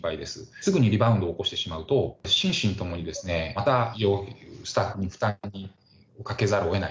すぐにリバウンドを起こしてしまうと、心身ともにまた医療スタッフに負担をかけざるをえない。